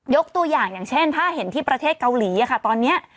ตัวอย่างอย่างเช่นถ้าเห็นที่ประเทศเกาหลีตอนนี้